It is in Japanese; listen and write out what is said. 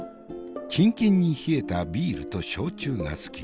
キンキンに冷えたビールと焼酎が好き。